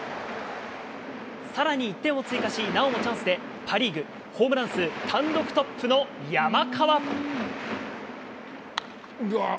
さらに１点を追加し、なおもチャンスで、パ・リーグ、ホームラン数、単独トップの山川。